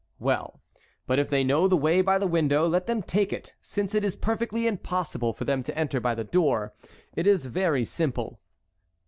"Well, but if they know the way by the window, let them take it, since it is perfectly impossible for them to enter by the door. It is very simple."